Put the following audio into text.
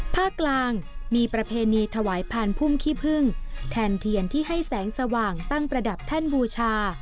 ภาคกลางมีประเพณีถวายพานพุ่มขี้พึ่งแทนเทียนที่ให้แสงสว่างตั้งประดับแท่นบูชา